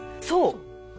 そう。